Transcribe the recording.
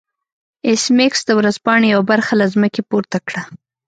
ایس میکس د ورځپاڼې یوه برخه له ځمکې پورته کړه